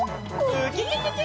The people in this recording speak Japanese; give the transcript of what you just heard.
ウキキキ！